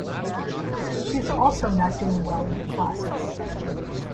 She is also not doing well in her classes.